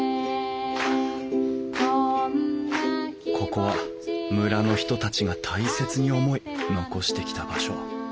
ここは村の人たちが大切に思い残してきた場所。